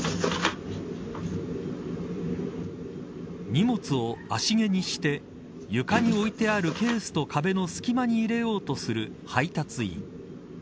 荷物を足蹴にして床に置いてあるケースと壁の隙間に入れようとする配達員。